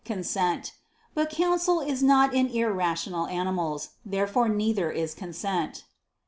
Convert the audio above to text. consent. But counsel is not in irrational animals. Therefore neither is consent.